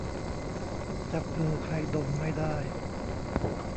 จับมือใครดมไม่ได้